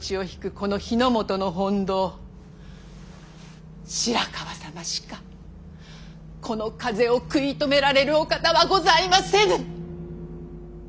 この日の本の本道白河様しかこの風を食い止められるお方はございませぬ！